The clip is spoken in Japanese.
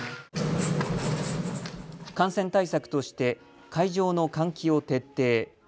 感染対策として会場の換気を徹底。